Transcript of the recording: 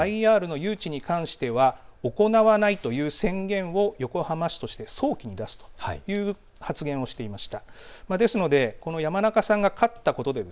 カジノを含むＩＲの誘致に関しては行わないという宣言を横浜市として早期に出すという発言をしていました。